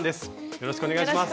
よろしくお願いします。